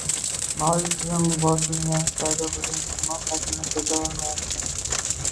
Mavjud tizim bu bosimni, yangi paydo boʻlgan isteʼmol hajmini koʻtarolmayapti.